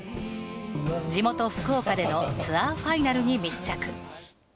地元、福岡でのツアーファイナルに密着。